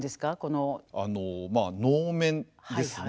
まあ能面ですね。